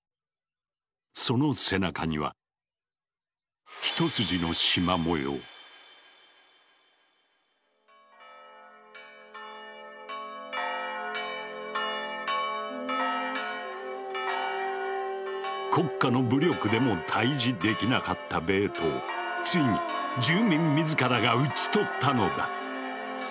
その背中には国家の武力でも退治できなかったベートをついに住民自らが討ち取ったのだ。